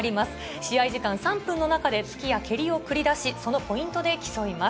試合時間３分の中で突きや蹴りを繰り出しそのポイントで競います。